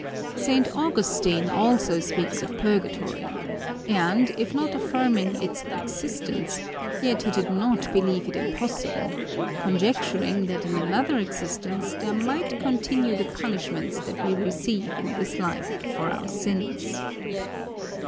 St. Augustine also speaks of purgatory and, if not affirming its existence, yet he did not believe it impossible, conjecturing that in another existence there might continue the punishments that we receive in this life for our sins."